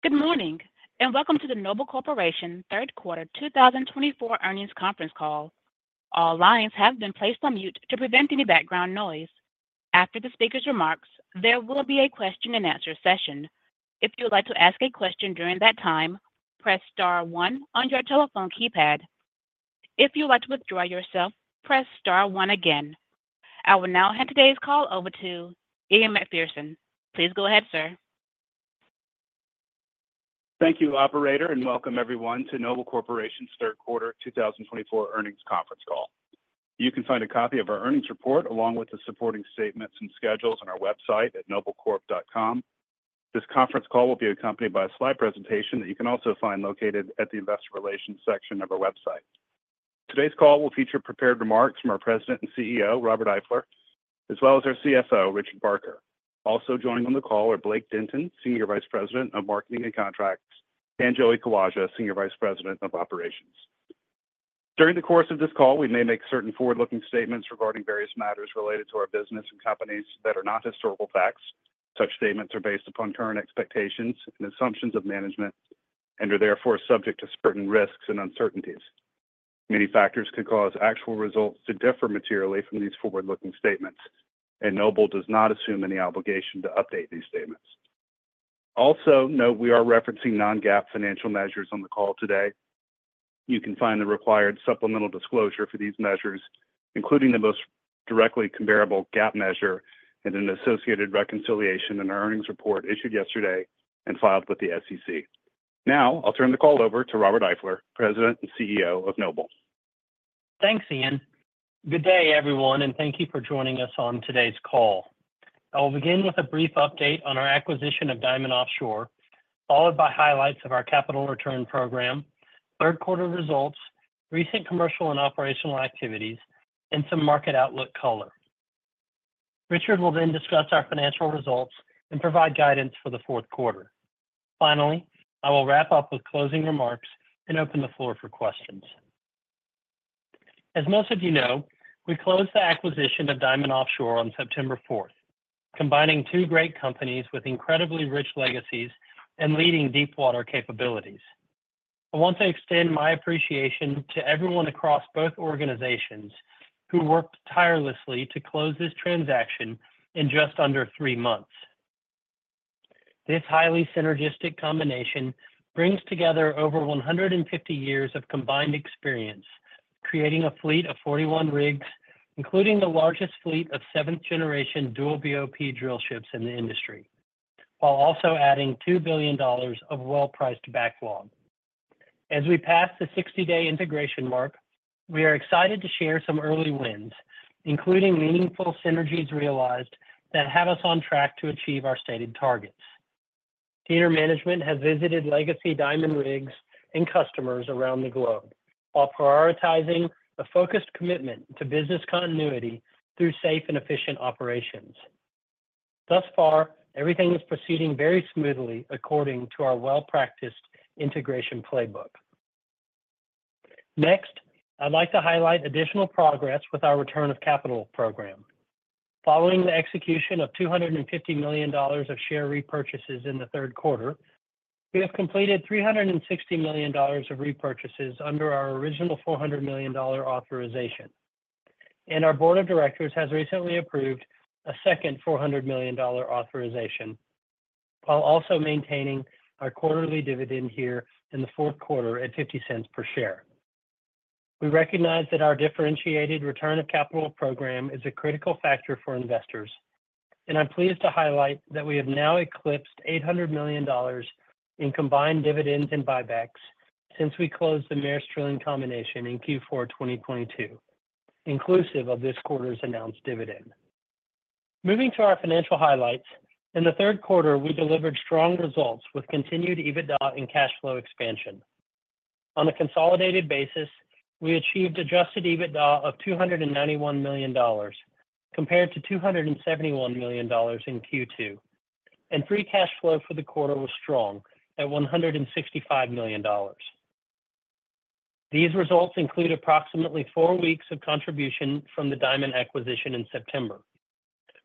Good morning, and welcome to the Noble Corporation Third Quarter 2024 earnings conference call. All lines have been placed on mute to prevent any background noise. After the speaker's remarks, there will be a question-and-answer session. If you would like to ask a question during that time, press star one on your telephone keypad. If you would like to withdraw yourself, press star one again. I will now hand today's call over to Ian Macpherson. Please go ahead, sir. Thank you, Operator, and welcome everyone to Noble Corporation's Third Quarter 2024 earnings conference call. You can find a copy of our earnings report along with the supporting statements and schedules on our website at noblecorp.com. This conference call will be accompanied by a slide presentation that you can also find located at the Investor Relations section of our website. Today's call will feature prepared remarks from our President and CEO, Robert Eifler, as well as our CFO, Richard Barker. Also joining on the call are Blake Denton, Senior Vice President of Marketing and Contracts, and Joey Kawaja, Senior Vice President of Operations. During the course of this call, we may make certain forward-looking statements regarding various matters related to our business and companies that are not historical facts. Such statements are based upon current expectations and assumptions of management and are therefore subject to certain risks and uncertainties. Many factors could cause actual results to differ materially from these forward-looking statements, and Noble does not assume any obligation to update these statements. Also, note we are referencing non-GAAP financial measures on the call today. You can find the required supplemental disclosure for these measures, including the most directly comparable GAAP measure and an associated reconciliation in our earnings report issued yesterday and filed with the SEC. Now, I'll turn the call over to Robert Eifler, President and CEO of Noble. Thanks, Ian. Good day, everyone, and thank you for joining us on today's call. I will begin with a brief update on our acquisition of Diamond Offshore, followed by highlights of our capital return program, third-quarter results, recent commercial and operational activities, and some market outlook color. Richard will then discuss our financial results and provide guidance for the fourth quarter. Finally, I will wrap up with closing remarks and open the floor for questions. As most of you know, we closed the acquisition of Diamond Offshore on September 4, combining two great companies with incredibly rich legacies and leading deepwater capabilities. I want to extend my appreciation to everyone across both organizations who worked tirelessly to close this transaction in just under three months. This highly synergistic combination brings together over 150 years of combined experience, creating a fleet of 41 rigs, including the largest fleet of seventh-generation dual BOP drillships in the industry, while also adding $2 billion of well-priced backlog. As we pass the 60-day integration mark, we are excited to share some early wins, including meaningful synergies realized that have us on track to achieve our stated targets. Our management has visited legacy Diamond rigs and customers around the globe while prioritizing a focused commitment to business continuity through safe and efficient operations. Thus far, everything is proceeding very smoothly according to our well-practiced integration playbook. Next, I'd like to highlight additional progress with our return of capital program. Following the execution of $250 million of share repurchases in the third quarter, we have completed $360 million of repurchases under our original $400 million authorization. Our Board of Directors has recently approved a second $400 million authorization while also maintaining our quarterly dividend here in the fourth quarter at $0.50 per share. We recognize that our differentiated return of capital program is a critical factor for investors, and I'm pleased to highlight that we have now eclipsed $800 million in combined dividends and buybacks since we closed the Maersk Drilling combination in Q4 2022, inclusive of this quarter's announced dividend. Moving to our financial highlights, in the third quarter, we delivered strong results with continued EBITDA and cash flow expansion. On a consolidated basis, we achieved adjusted EBITDA of $291 million compared to $271 million in Q2, and free cash flow for the quarter was strong at $165 million. These results include approximately four weeks of contribution from the Diamond acquisition in September.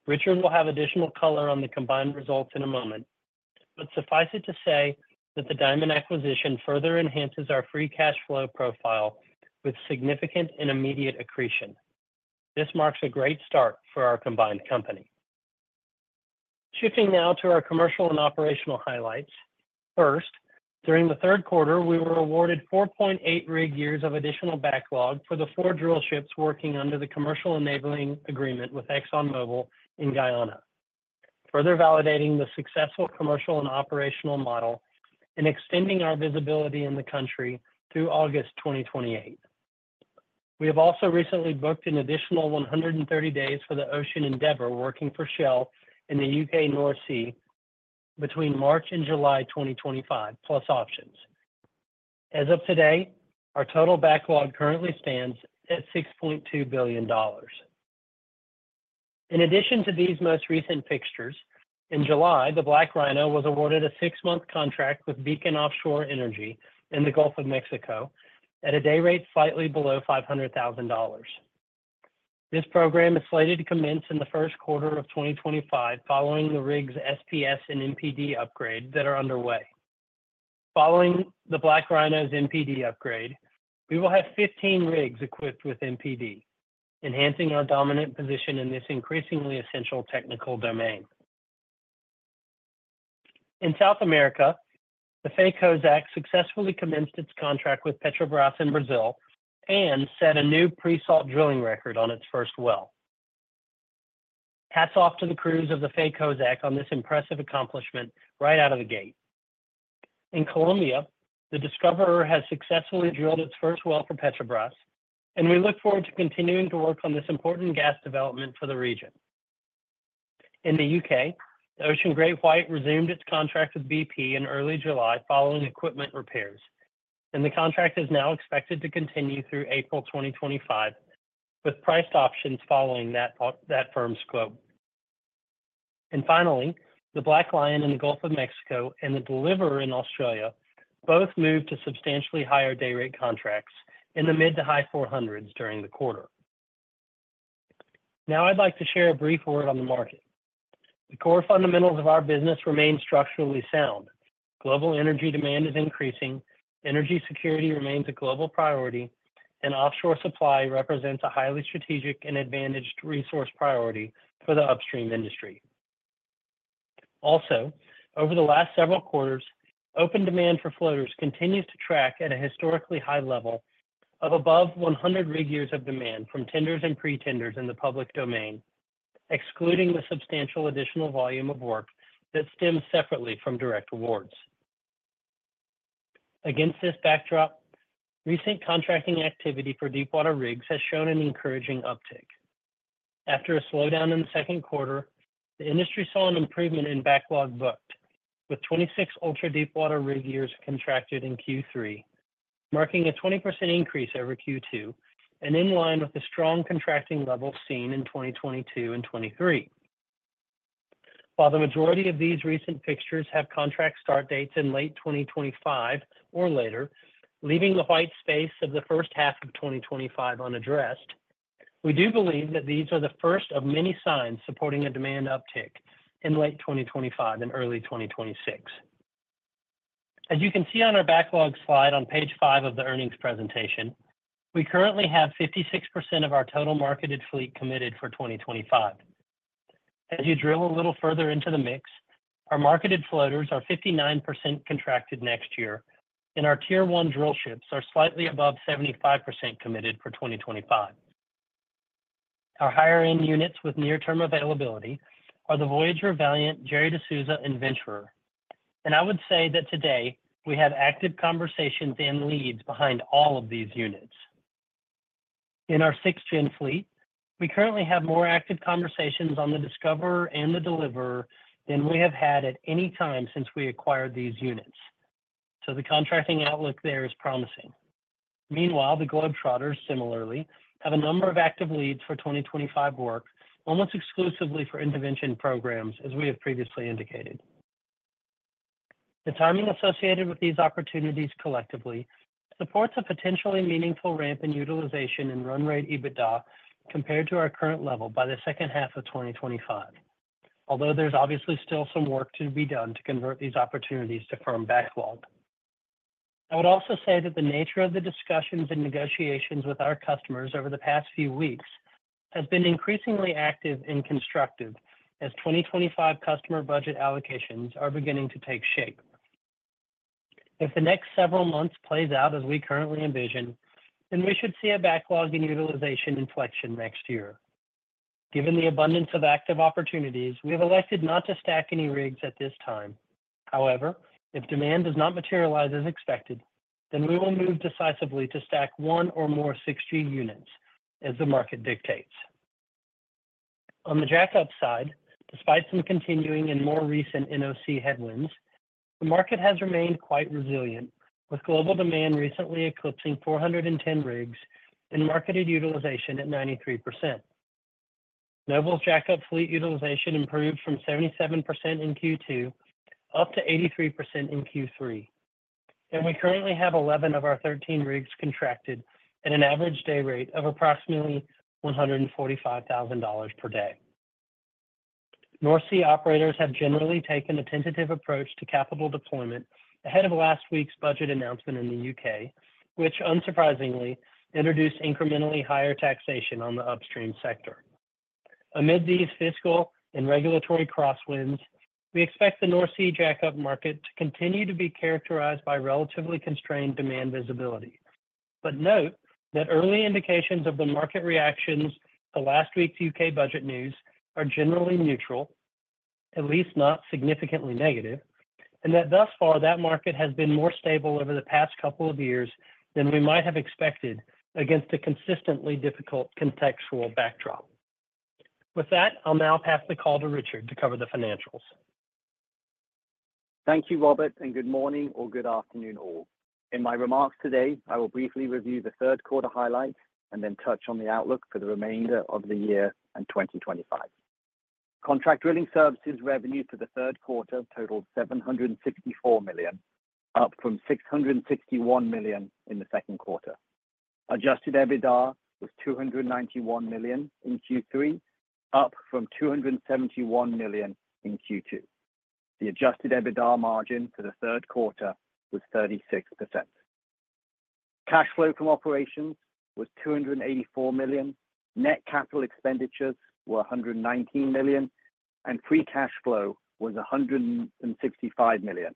Richard will have additional color on the combined results in a moment, but suffice it to say that the Diamond acquisition further enhances our free cash flow profile with significant and immediate accretion. This marks a great start for our combined company. Shifting now to our commercial and operational highlights. First, during the third quarter, we were awarded 4.8 rig years of additional backlog for the four drillships working under the Commercial Enabling Agreement with ExxonMobil in Guyana, further validating the successful commercial and operational model and extending our visibility in the country through August 2028. We have also recently booked an additional 130 days for the Ocean Endeavor working for Shell in the U.K. North Sea between March and July 2025, plus options. As of today, our total backlog currently stands at $6.2 billion. In addition to these most recent fixtures, in July, the Black Rhino was awarded a six-month contract with Beacon Offshore Energy in the Gulf of Mexico at a day rate slightly below $500,000. This program is slated to commence in the first quarter of 2025 following the rigs' SPS and MPD upgrade that are underway. Following the Black Rhino's MPD upgrade, we will have 15 rigs equipped with MPD, enhancing our dominant position in this increasingly essential technical domain. In South America, the Faye Kozack successfully commenced its contract with Petrobras in Brazil and set a new pre-salt drilling record on its first well. Hats off to the crews of the Faye Kozack on this impressive accomplishment right out of the gate. In Colombia, the Discoverer has successfully drilled its first well for Petrobras, and we look forward to continuing to work on this important gas development for the region. In the U.K., the Ocean GreatWhite resumed its contract with BP in early July following equipment repairs, and the contract is now expected to continue through April 2025 with priced options following that firm scope. And finally, the Black Lion in the Gulf of Mexico and the Deliverer in Australia both moved to substantially higher day rate contracts in the mid to high 400s during the quarter. Now, I'd like to share a brief word on the market. The core fundamentals of our business remain structurally sound. Global energy demand is increasing, energy security remains a global priority, and offshore supply represents a highly strategic and advantaged resource priority for the upstream industry. Also, over the last several quarters, open demand for floaters continues to track at a historically high level of above 100 rig years of demand from tenders and pre-tenders in the public domain, excluding the substantial additional volume of work that stems separately from direct awards. Against this backdrop, recent contracting activity for deepwater rigs has shown an encouraging uptake. After a slowdown in the second quarter, the industry saw an improvement in backlog booked, with 26 ultra-deepwater rig years contracted in Q3, marking a 20% increase over Q2 and in line with the strong contracting levels seen in 2022 and 2023. While the majority of these recent fixtures have contract start dates in late 2025 or later, leaving the white space of the first half of 2025 unaddressed, we do believe that these are the first of many signs supporting a demand uptick in late 2025 and early 2026. As you can see on our backlog slide on page five of the earnings presentation, we currently have 56% of our total marketed fleet committed for 2025. As you drill a little further into the mix, our marketed floaters are 59% contracted next year, and our tier one drillships are slightly above 75% committed for 2025. Our higher-end units with near-term availability are the Voyager, Valiant, Gerry de Souza, and Venturer. And I would say that today we have active conversations and leads behind all of these units. In our sixth-gen fleet, we currently have more active conversations on the Discoverer and the Deliverer than we have had at any time since we acquired these units. So the contracting outlook there is promising. Meanwhile, the Globetrotters, similarly, have a number of active leads for 2025 work almost exclusively for intervention programs, as we have previously indicated. The timing associated with these opportunities collectively supports a potentially meaningful ramp in utilization and run rate EBITDA compared to our current level by the second half of 2025, although there's obviously still some work to be done to convert these opportunities to firm backlog. I would also say that the nature of the discussions and negotiations with our customers over the past few weeks has been increasingly active and constructive as 2025 customer budget allocations are beginning to take shape. If the next several months play out as we currently envision, then we should see a backlog in utilization inflection next year. Given the abundance of active opportunities, we have elected not to stack any rigs at this time. However, if demand does not materialize as expected, then we will move decisively to stack one or more 6G units as the market dictates. On the jackup side, despite some continuing and more recent NOC headwinds, the market has remained quite resilient, with global demand recently eclipsing 410 rigs and marketed utilization at 93%. Noble's jackup fleet utilization improved from 77% in Q2 up to 83% in Q3, and we currently have 11 of our 13 rigs contracted at an average day rate of approximately $145,000 per day. North Sea operators have generally taken a tentative approach to capital deployment ahead of last week's budget announcement in the U.K., which unsurprisingly introduced incrementally higher taxation on the upstream sector. Amid these fiscal and regulatory crosswinds, we expect the North Sea jackup market to continue to be characterized by relatively constrained demand visibility. But note that early indications of the market reactions to last week's U.K. budget news are generally neutral, at least not significantly negative, and that thus far that market has been more stable over the past couple of years than we might have expected against a consistently difficult contextual backdrop. With that, I'll now pass the call to Richard to cover the financials. Thank you, Robert, and good morning or good afternoon, all. In my remarks today, I will briefly review the third quarter highlights and then touch on the outlook for the remainder of the year and 2025. Contract drilling services revenue for the third quarter totaled $764 million, up from $661 million in the second quarter. Adjusted EBITDA was $291 million in Q3, up from $271 million in Q2. The adjusted EBITDA margin for the third quarter was 36%. Cash flow from operations was $284 million. Net capital expenditures were $119 million, and free cash flow was $165 million,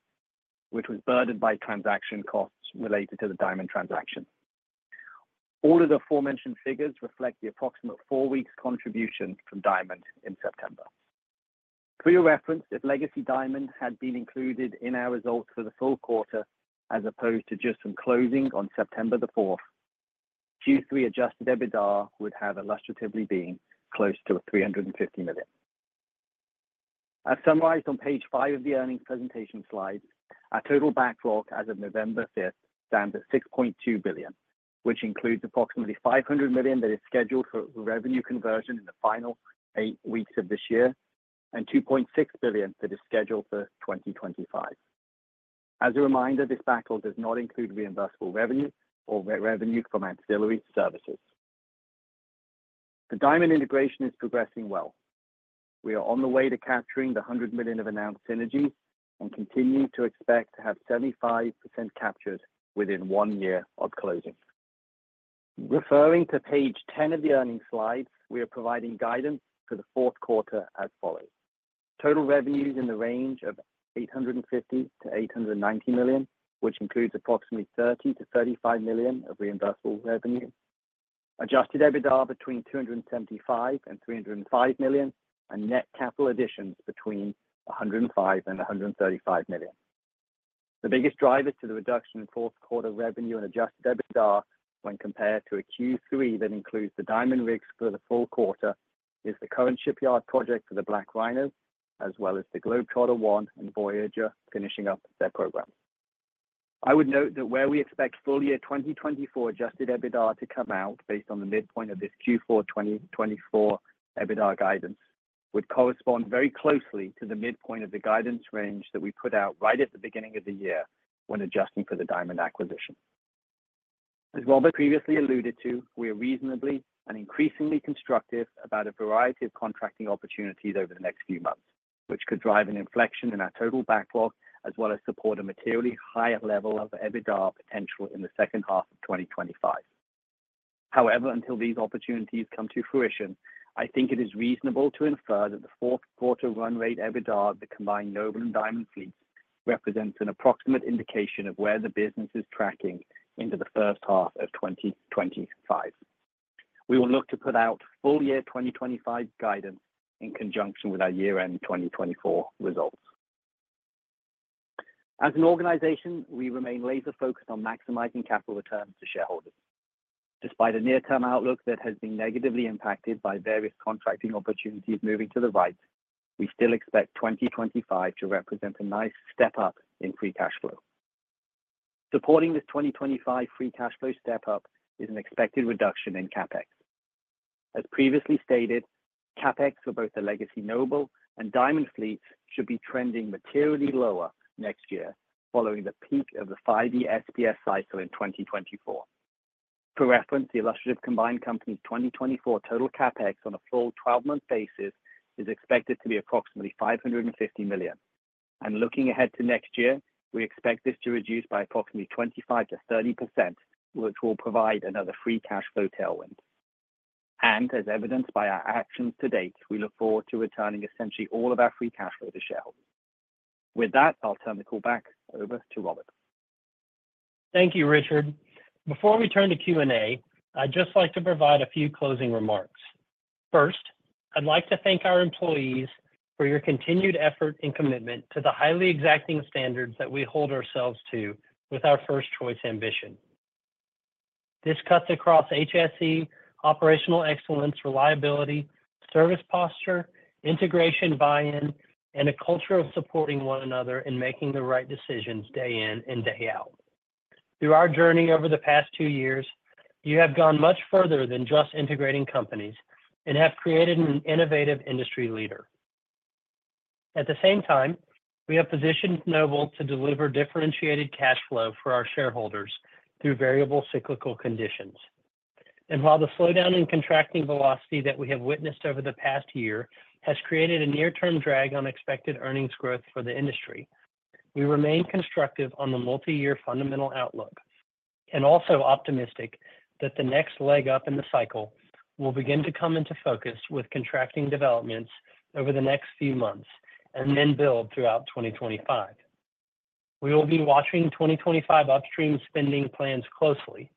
which was burdened by transaction costs related to the Diamond transaction. All of the aforementioned figures reflect the approximate four weeks' contribution from Diamond in September. For your reference, if Legacy Diamond had been included in our results for the full quarter as opposed to just from closing on September the 4th, Q3 Adjusted EBITDA would have illustratively been close to $350 million. As summarized on page five of the earnings presentation slide, our total backlog as of November 5th stands at $6.2 billion, which includes approximately $500 million that is scheduled for revenue conversion in the final eight weeks of this year and $2.6 billion that is scheduled for 2025. As a reminder, this backlog does not include reimbursable revenue or revenue from ancillary services. The Diamond integration is progressing well. We are on the way to capturing the $100 million of announced synergies and continue to expect to have 75% captured within one year of closing. Referring to page 10 of the earnings slides, we are providing guidance for the fourth quarter as follows: total revenues in the range of $850 million-$890 million, which includes approximately $30 million-$35 million of reimbursable revenue, Adjusted EBITDA between $275 million-$305 million, and net capital additions between $105 million-$135 million. The biggest drivers to the reduction in fourth quarter revenue and Adjusted EBITDA when compared to a Q3 that includes the Diamond rigs for the full quarter is the current shipyard project for the Black Rhino, as well as the Globetrotter I and Voyager finishing up their programs. I would note that where we expect full year 2024 Adjusted EBITDA to come out based on the midpoint of this Q4 2024 EBITDA guidance would correspond very closely to the midpoint of the guidance range that we put out right at the beginning of the year when adjusting for the Diamond acquisition. As Robert previously alluded to, we are reasonably and increasingly constructive about a variety of contracting opportunities over the next few months, which could drive an inflection in our total backlog as well as support a materially higher level of EBITDA potential in the second half of 2025. However, until these opportunities come to fruition, I think it is reasonable to infer that the fourth quarter run rate EBITDA of the combined Noble and Diamond fleets represents an approximate indication of where the business is tracking into the first half of 2025. We will look to put out full year 2025 guidance in conjunction with our year-end 2024 results. As an organization, we remain laser-focused on maximizing capital returns to shareholders. Despite a near-term outlook that has been negatively impacted by various contracting opportunities moving to the right, we still expect 2025 to represent a nice step up in free cash flow. Supporting this 2025 free cash flow step up is an expected reduction in CapEx. As previously stated, CapEx for both the Legacy Noble and Diamond fleets should be trending materially lower next year, following the peak of the 5-year SPS cycle in 2024. For reference, the illustrative combined company's 2024 total CapEx on a full 12-month basis is expected to be approximately $550 million. And looking ahead to next year, we expect this to reduce by approximately 25%-30%, which will provide another free cash flow tailwind. As evidenced by our actions to date, we look forward to returning essentially all of our free cash flow to shareholders. With that, I'll turn the call back over to Robert. Thank you, Richard. Before we turn to Q&A, I'd just like to provide a few closing remarks. First, I'd like to thank our employees for your continued effort and commitment to the highly exacting standards that we hold ourselves to with our first-choice ambition. This cuts across HSE, operational excellence, reliability, service posture, integration buy-in, and a culture of supporting one another in making the right decisions day in and day out. Through our journey over the past two years, you have gone much further than just integrating companies and have created an innovative industry leader. At the same time, we have positioned Noble to deliver differentiated cash flow for our shareholders through variable cyclical conditions. While the slowdown in contracting velocity that we have witnessed over the past year has created a near-term drag on expected earnings growth for the industry, we remain constructive on the multi-year fundamental outlook and also optimistic that the next leg up in the cycle will begin to come into focus with contracting developments over the next few months and then build throughout 2025. We will be watching 2025 upstream spending plans closely,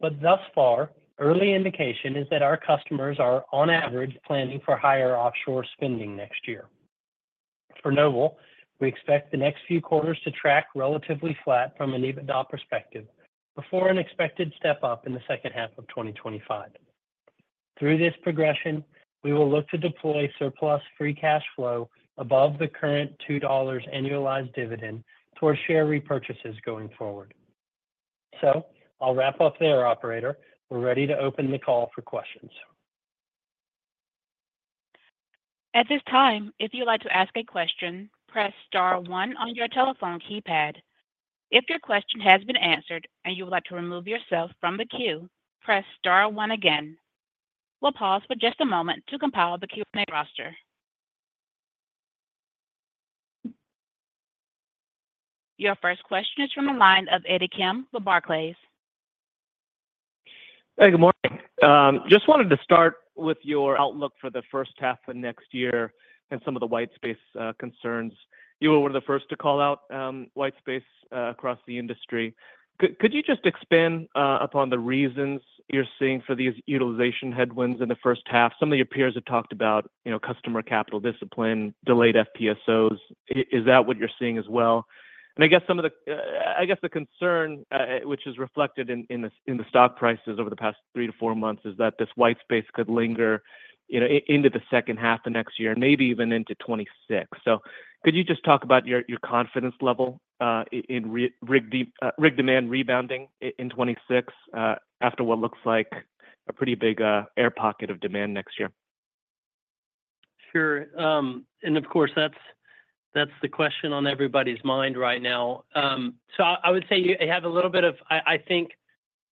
but thus far, early indication is that our customers are on average planning for higher offshore spending next year. For Noble, we expect the next few quarters to track relatively flat from an EBITDA perspective before an expected step up in the second half of 2025. Through this progression, we will look to deploy surplus free cash flow above the current $2 annualized dividend towards share repurchases going forward. I'll wrap up there, Operator. We're ready to open the call for questions. At this time, if you'd like to ask a question, press star one on your telephone keypad. If your question has been answered and you would like to remove yourself from the queue, press star one again. We'll pause for just a moment to compile the Q&A roster. Your first question is from the line of Eddie Kim from Barclays. Hey, good morning. Just wanted to start with your outlook for the first half of next year and some of the white space concerns. You were one of the first to call out white space across the industry. Could you just expand upon the reasons you're seeing for these utilization headwinds in the first half? Some of your peers have talked about customer capital discipline, delayed FPSOs. Is that what you're seeing as well? And I guess some of the, I guess the concern, which is reflected in the stock prices over the past three to four months, is that this white space could linger into the second half of next year, maybe even into 2026. So could you just talk about your confidence level in rig demand rebounding in 2026 after what looks like a pretty big air pocket of demand next year? Sure. And of course, that's the question on everybody's mind right now. So I would say you have a little bit of, I think,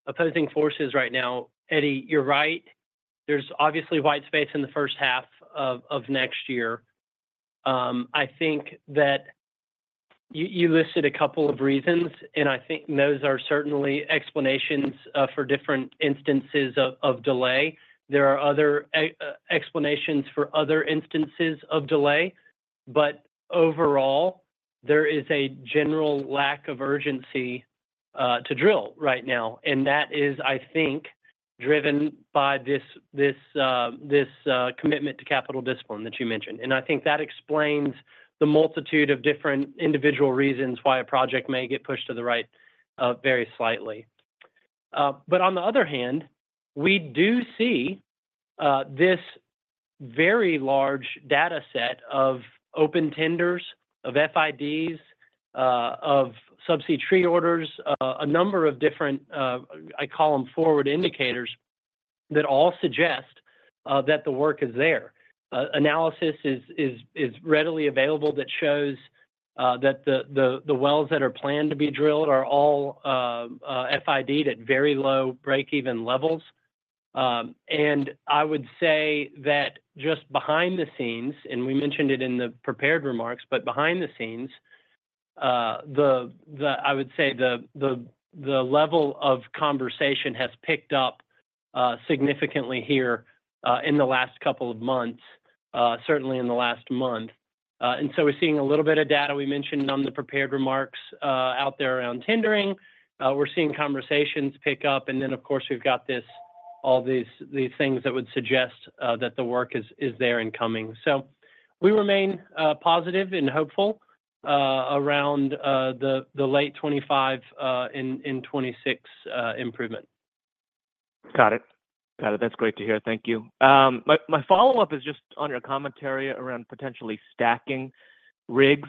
opposing forces right now. Eddie, you're right. There's obviously white space in the first half of next year. I think that you listed a couple of reasons, and I think those are certainly explanations for different instances of delay. There are other explanations for other instances of delay, but overall, there is a general lack of urgency to drill right now. And that is, I think, driven by this commitment to capital discipline that you mentioned. And I think that explains the multitude of different individual reasons why a project may get pushed to the right very slightly. But on the other hand, we do see this very large data set of open tenders, of FIDs, of subsea tree orders, a number of different, I call them forward indicators, that all suggest that the work is there. Analysis is readily available that shows that the wells that are planned to be drilled are all FIDed at very low break-even levels. And I would say that just behind the scenes, and we mentioned it in the prepared remarks, but behind the scenes, I would say the level of conversation has picked up significantly here in the last couple of months, certainly in the last month. And so we're seeing a little bit of data. We mentioned on the prepared remarks out there around tendering. We're seeing conversations pick up. And then, of course, we've got all these things that would suggest that the work is there and coming. So we remain positive and hopeful around the late 2025 and 2026 improvement. Got it. Got it. That's great to hear. Thank you. My follow-up is just on your commentary around potentially stacking rigs.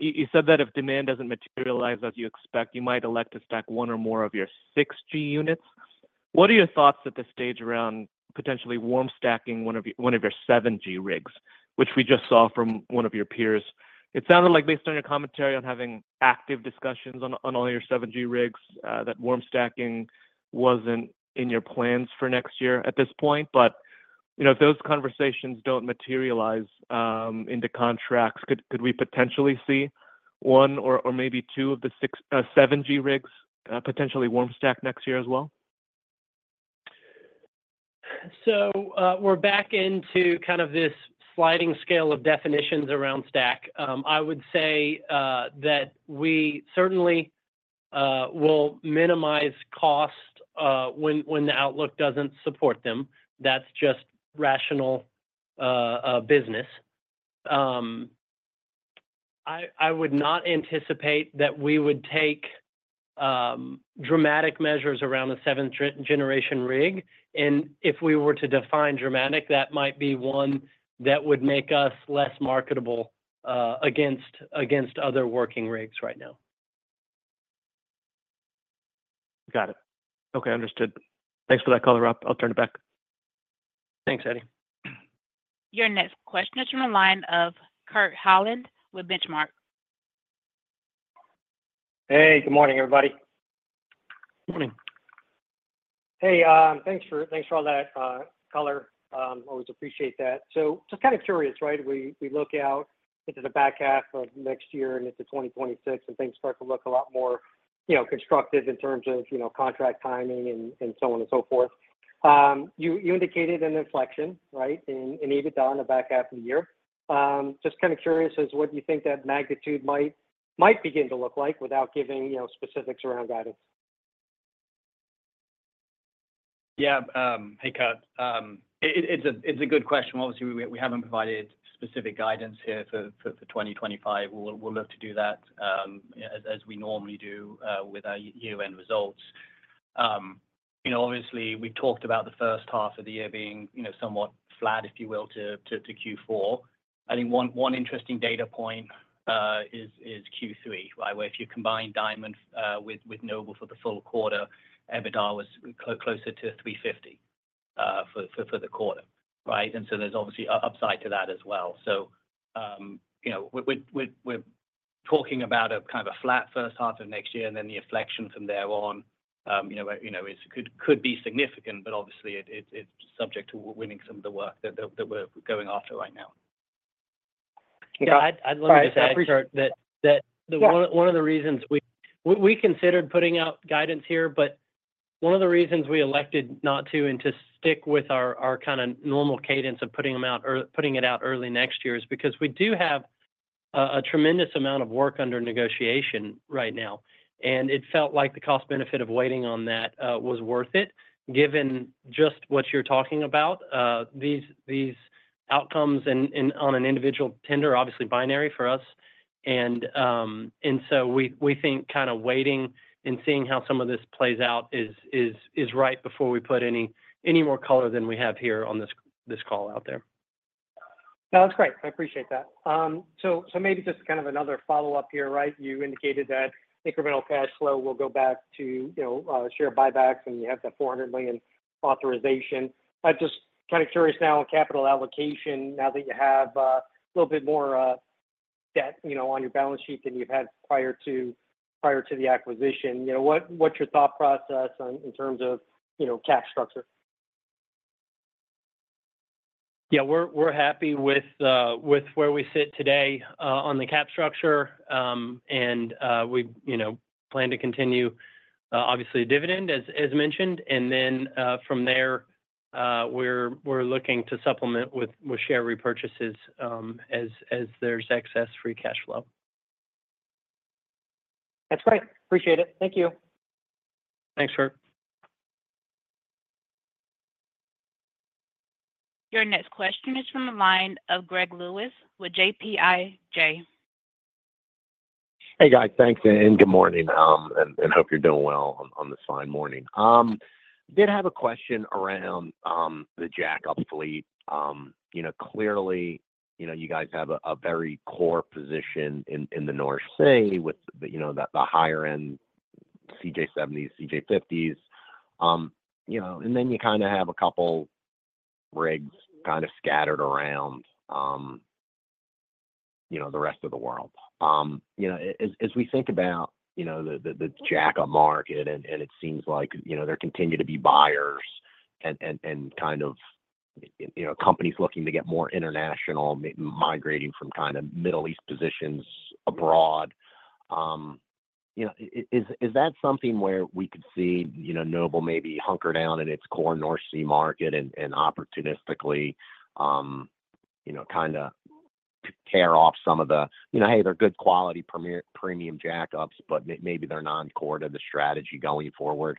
You said that if demand doesn't materialize as you expect, you might elect to stack one or more of your 6G units. What are your thoughts at this stage around potentially warm stacking one of your 7G rigs, which we just saw from one of your peers? It sounded like, based on your commentary on having active discussions on all your 7G rigs, that warm stacking wasn't in your plans for next year at this point. But if those conversations don't materialize into contracts, could we potentially see one or maybe two of the 7G rigs potentially warm stack next year as well? So we're back into kind of this sliding scale of definitions around stack. I would say that we certainly will minimize cost when the outlook doesn't support them. That's just rational business. I would not anticipate that we would take dramatic measures around a seventh-generation rig. And if we were to define dramatic, that might be one that would make us less marketable against other working rigs right now. Got it. Okay. Understood. Thanks for that, color. I'll turn it back. Thanks, Eddie. Your next question is from the line of Kurt Hallead with Benchmark. Hey, good morning, everybody. Morning. Hey, thanks for all that color. Always appreciate that. So just kind of curious, right? We look out into the back half of next year and into 2026, and things start to look a lot more constructive in terms of contract timing and so on and so forth. You indicated an inflection, right, in EBITDA in the back half of the year. Just kind of curious as to what do you think that magnitude might begin to look like without giving specifics around guidance? Yeah. Hey, Kurt. It's a good question. Obviously, we haven't provided specific guidance here for 2025. We'll look to do that as we normally do with our year-end results. Obviously, we've talked about the first half of the year being somewhat flat, if you will, to Q4. I think one interesting data point is Q3, right, where if you combine Diamond with Noble for the full quarter, EBITDA was closer to 350 for the quarter, right? And so there's obviously upside to that as well. So we're talking about kind of a flat first half of next year, and then the inflection from there on could be significant, but obviously, it's subject to winning some of the work that we're going after right now. Yeah. I'd love to say that one of the reasons we considered putting out guidance here, but one of the reasons we elected not to and to stick with our kind of normal cadence of putting it out early next year is because we do have a tremendous amount of work under negotiation right now. And it felt like the cost-benefit of waiting on that was worth it, given just what you're talking about, these outcomes on an individual tender, obviously binary for us. And so we think kind of waiting and seeing how some of this plays out is right before we put any more color than we have here on this call out there. That's great. I appreciate that. So maybe just kind of another follow-up here, right? You indicated that incremental cash flow will go back to share buybacks, and you have that $400 million authorization. I'm just kind of curious now on capital allocation, now that you have a little bit more debt on your balance sheet than you've had prior to the acquisition. What's your thought process in terms of cap structure? Yeah. We're happy with where we sit today on the cap structure, and we plan to continue, obviously, dividend, as mentioned, and then from there, we're looking to supplement with share repurchases as there's excess free cash flow. That's great. Appreciate it. Thank you. Thanks, Kurt. Your next question is from the line of Greg Lewis with BTIG. Hey, guys. Thanks, and good morning, and hope you're doing well on this fine morning. Did have a question around the jackup fleet. Clearly, you guys have a very core position in the North Sea with the higher-end CJ70s, CJ50s. And then you kind of have a couple rigs kind of scattered around the rest of the world. As we think about the jackup market, and it seems like there continue to be buyers and kind of companies looking to get more international, migrating from kind of Middle East positions abroad. Is that something where we could see Noble maybe hunker down in its core North Sea market and opportunistically kind of tear off some of the, "Hey, they're good quality premium jackups, but maybe they're not core to the strategy going forward"?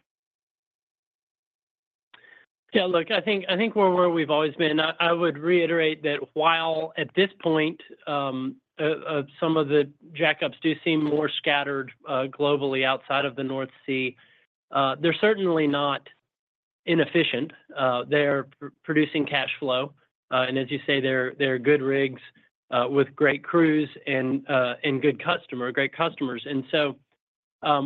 Yeah. Look, I think we're where we've always been. I would reiterate that while at this point, some of the jackups do seem more scattered globally outside of the North Sea, they're certainly not inefficient. They're producing cash flow. And as you say, they're good rigs with great crews and great customers. And so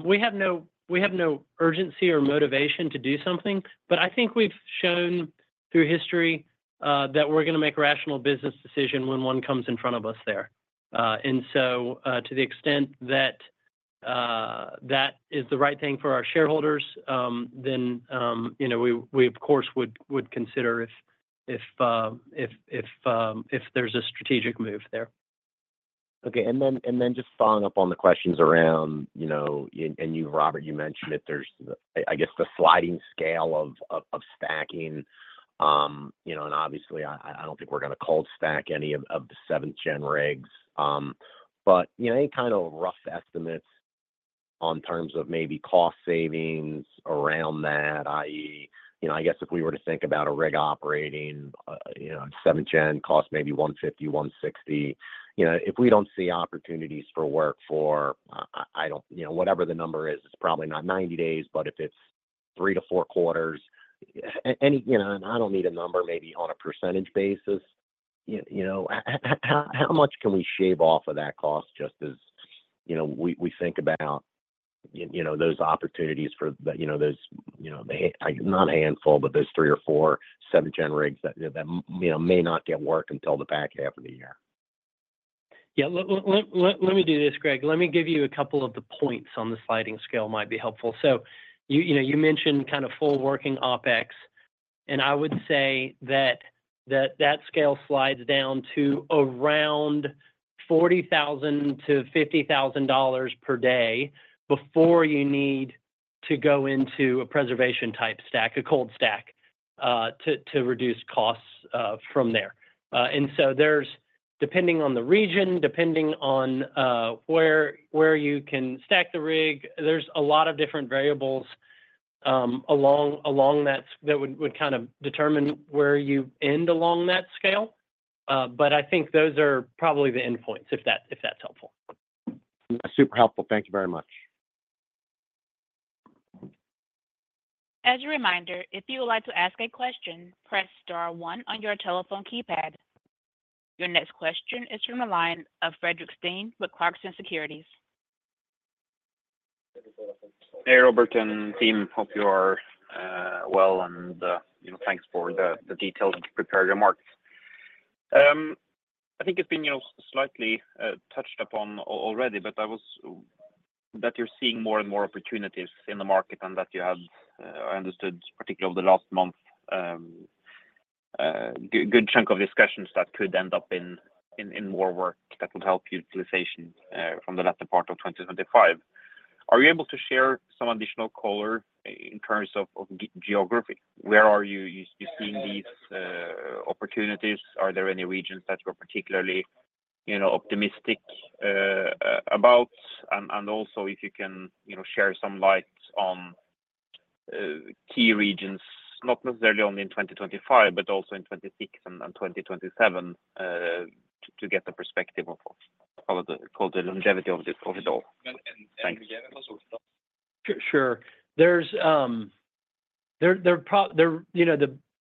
we have no urgency or motivation to do something, but I think we've shown through history that we're going to make a rational business decision when one comes in front of us there. And so to the extent that that is the right thing for our shareholders, then we, of course, would consider if there's a strategic move there. Okay. And then just following up on the questions around, and you, Robert, you mentioned that there's, I guess, the sliding scale of stacking. And obviously, I don't think we're going to cold stack any of the seventh-gen rigs. But any kind of rough estimates on terms of maybe cost savings around that, i.e., I guess if we were to think about a rig operating seventh-gen cost, maybe $150,000-$160,000, if we don't see opportunities for work for, I don't know, whatever the number is, it's probably not 90 days, but if it's three to four quarters, and I don't need a number, maybe on a percentage basis. How much can we shave off of that cost just as we think about those opportunities for those, not a handful, but those three or four seventh-gen rigs that may not get work until the back half of the year? Yeah. Let me do this, Greg. Let me give you a couple of the points on the sliding scale might be helpful. So you mentioned kind of full working OpEx, and I would say that that scale slides down to around $40,000-$50,000 per day before you need to go into a preservation-type stack, a cold stack, to reduce costs from there. And so depending on the region, depending on where you can stack the rig, there's a lot of different variables along that that would kind of determine where you end along that scale. But I think those are probably the end points, if that's helpful. That's super helpful. Thank you very much. As a reminder, if you would like to ask a question, press star one on your telephone keypad. Your next question is from the line of Fredrik Stene with Clarksons Securities. Hey, Robert and team. Hope you are well, and thanks for the details that you prepared on your markets. I think it's been slightly touched upon already, but that you're seeing more and more opportunities in the market and that you had, I understood, particularly over the last month, a good chunk of discussions that could end up in more work that would help utilization from the latter part of 2025. Are you able to share some additional color in terms of geography? Where are you seeing these opportunities? Are there any regions that you're particularly optimistic about? And also, if you can shed some light on key regions, not necessarily only in 2025, but also in 2026 and 2027, to get the perspective of the longevity of it all. Thanks. Sure.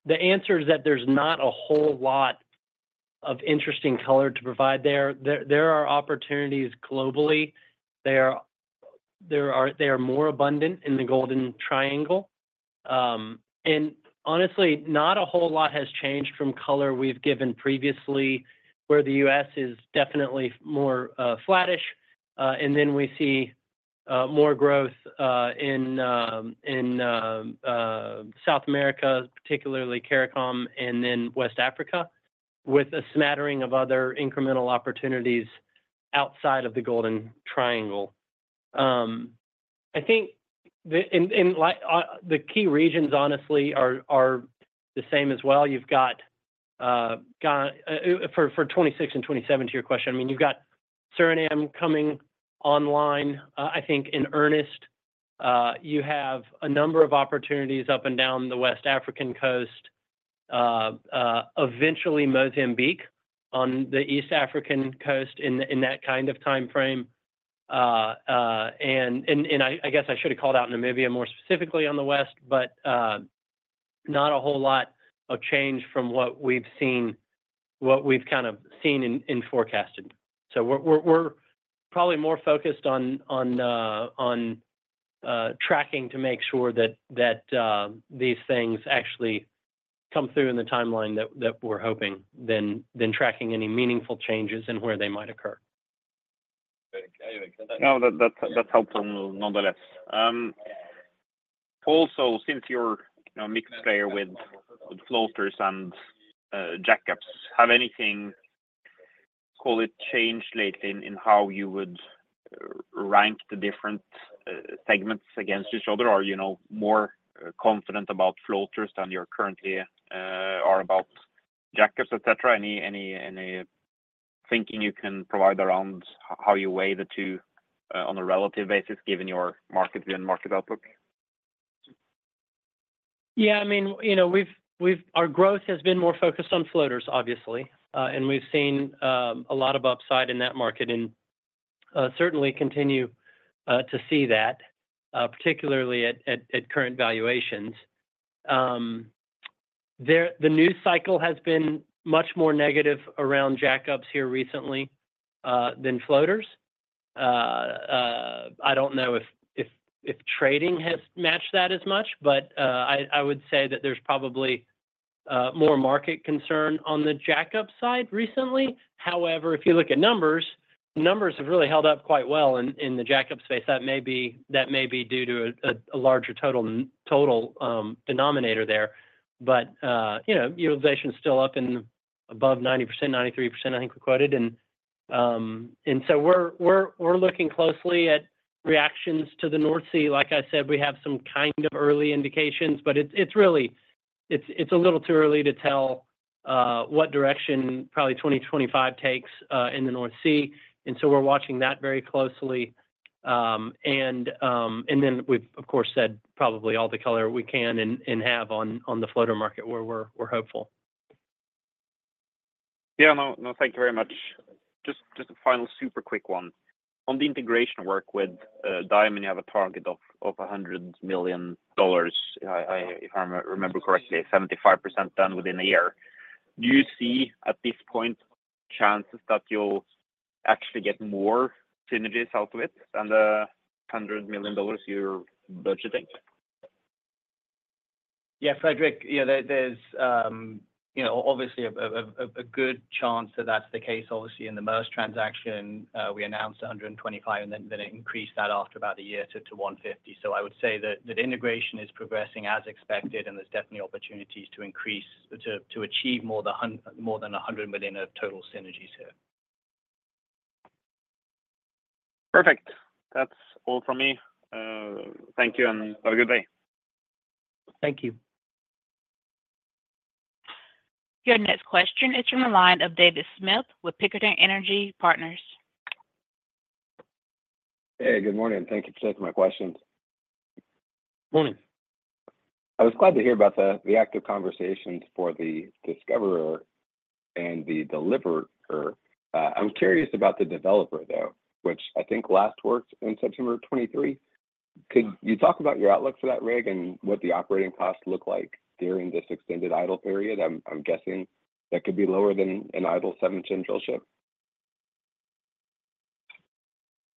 The answer is that there's not a whole lot of interesting color to provide there. There are opportunities globally. They are more abundant in the Golden Triangle. And honestly, not a whole lot has changed from color we've given previously, where the U.S. is definitely more flattish. And then we see more growth in South America, particularly CARICOM, and then West Africa, with a smattering of other incremental opportunities outside of the Golden Triangle. I think the key regions, honestly, are the same as well. You've got for 2026 and 2027, to your question, I mean, you've got Suriname coming online, I think, in earnest. You have a number of opportunities up and down the West African coast, eventually Mozambique on the East African coast in that kind of time frame. I guess I should have called out Namibia more specifically on the west, but not a whole lot of change from what we've kind of seen and forecasted. We're probably more focused on tracking to make sure that these things actually come through in the timeline that we're hoping, than tracking any meaningful changes and where they might occur. No, that's helpful nonetheless. Also, since you're a mixed player with floaters and jackups, have anything, call it, changed lately in how you would rank the different segments against each other? Are you more confident about floaters than you currently are about jackups, etc.? Any thinking you can provide around how you weigh the two on a relative basis, given your market view and market outlook? Yeah. I mean, our growth has been more focused on floaters, obviously, and we've seen a lot of upside in that market and certainly continue to see that, particularly at current valuations. The news cycle has been much more negative around jackups here recently than floaters. I don't know if trading has matched that as much, but I would say that there's probably more market concern on the jackup side recently. However, if you look at numbers, numbers have really held up quite well in the jackup space. That may be due to a larger total denominator there. But utilization is still up and above 90%, 93%, I think we quoted. And so we're looking closely at reactions to the North Sea. Like I said, we have some kind of early indications, but it's a little too early to tell what direction probably 2025 takes in the North Sea. And so we're watching that very closely. And then we've, of course, said probably all the color we can and have on the floater market where we're hopeful. Yeah. No, thank you very much. Just a final super quick one. On the integration work with Diamond, you have a target of $100 million, if I remember correctly, 75% done within a year. Do you see at this point chances that you'll actually get more synergies out of it than the $100 million you're budgeting? Yeah, Fredrik, yeah, there's obviously a good chance that that's the case. Obviously, in the Maersk transaction, we announced $125, and then increased that after about a year to $150. So I would say that integration is progressing as expected, and there's definitely opportunities to achieve more than $100 million of total synergies here. Perfect. That's all from me. Thank you, and have a good day. Thank you. Your next question is from the line of David Smith with Pickering Energy Partners. Hey, good morning. Thank you for taking my questions. Morning. I was glad to hear about the active conversations for the Discoverer and the Deliverer. I'm curious about the Developer, though, which I think last worked in September 2023. Could you talk about your outlook for that rig and what the operating costs look like during this extended idle period? I'm guessing that could be lower than an idle seventh-gen drillship.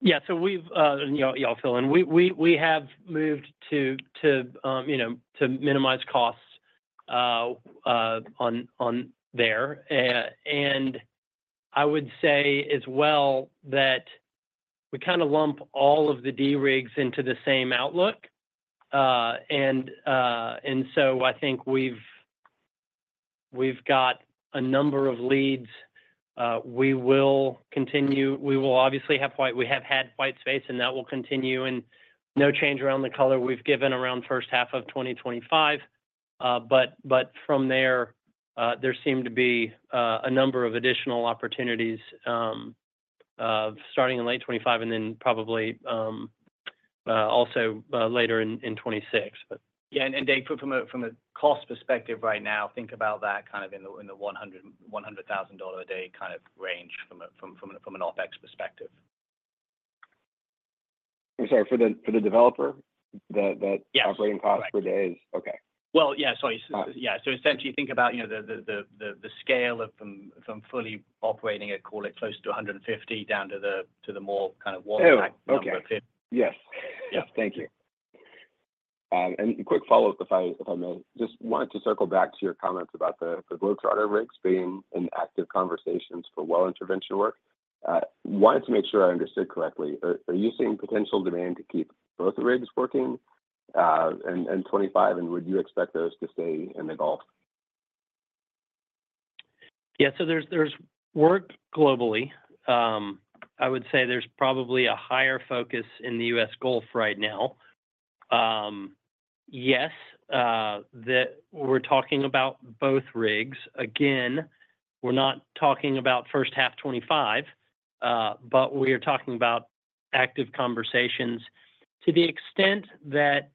Yeah, so y'all fill in. We have moved to minimize costs there, and I would say as well that we kind of lump all of the D-rigs into the same outlook, and so I think we've got a number of leads. We will continue. We will obviously have quite white space, and that will continue, and no change around the color we've given around first half of 2025, but from there, there seem to be a number of additional opportunities starting in late 2025 and then probably also later in 2026. Yeah. And Dave, from a cost perspective right now, think about that kind of in the $100,000 a day kind of range from an OpEx perspective. I'm sorry, for the Developer, that operating cost per day is okay. Essentially, think about the scale of fully operating it, call it close to 150 down to the more kind of watertight. Yes. Yes. Thank you. And quick follow-up, if I may. Just wanted to circle back to your comments about the Globetrotter rigs being in active conversations for well intervention work. Wanted to make sure I understood correctly. Are you seeing potential demand to keep both rigs working in 2025, and would you expect those to stay in the Gulf? Yeah. So there's work globally. I would say there's probably a higher focus in the U.S. Gulf right now. Yes, we're talking about both rigs. Again, we're not talking about first half 2025, but we are talking about active conversations to the extent that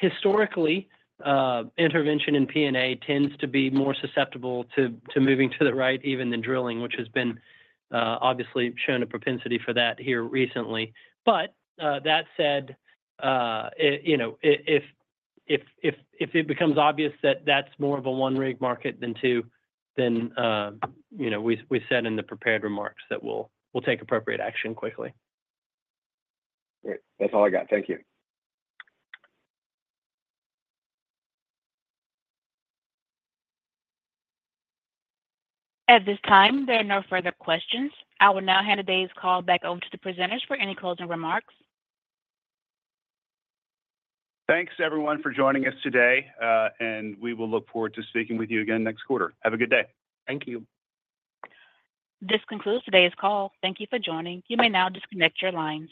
historically, intervention in P&A tends to be more susceptible to moving to the right, even than drilling, which has been obviously shown a propensity for that here recently. But that said, if it becomes obvious that that's more of a one-rig market than two, then we said in the prepared remarks that we'll take appropriate action quickly. Great. That's all I got. Thank you. At this time, there are no further questions. I will now hand today's call back over to the presenters for any closing remarks. Thanks, everyone, for joining us today, and we will look forward to speaking with you again next quarter. Have a good day. Thank you. This concludes today's call. Thank you for joining. You may now disconnect your lines.